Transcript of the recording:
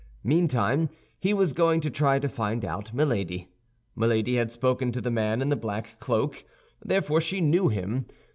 Meantime, he was going to try to find out Milady. Milady had spoken to the man in the black cloak; therefore she knew him.